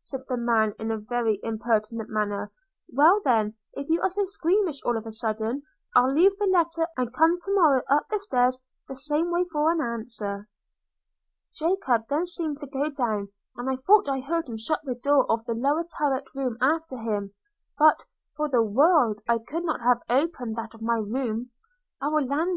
said the man, in a very impertinent manner – 'Well then, if you are so squeamish all of a sudden, I'll leave the letter, and come to morrow up the stairs the same way for an answer.' 'Jacob then seemed to go down; and I thought I heard him shut the door of the lower turret room after him; but, for the world, I could not have opened that of my room. Oh, Orlando!